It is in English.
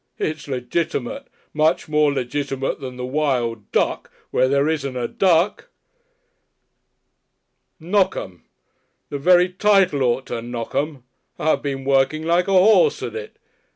It's legitimate. Much more legitimate than the Wild Duck where there isn't a duck! "Knock 'em! The very title ought to knock 'em. I've been working like a horse at it....